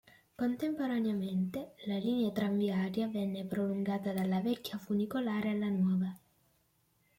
Contemporaneamente, la linea tranviaria venne prolungata dalla vecchia funicolare alla nuova.